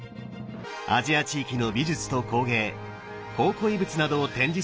アジア地域の美術と工芸考古遺物などを展示する施設です。